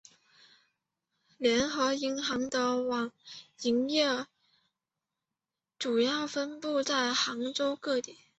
联合银行的营业网点主要分布在杭州市各地。